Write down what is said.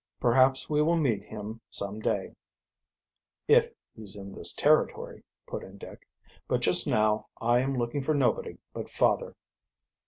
"Perhaps we will meet him some day if he's in this territory," put in Dick. "But just now I am looking for nobody but father."